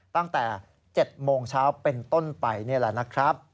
ตั้งแต่๗โมงเช้าเป็นต้นไปนี่แหละนะครับ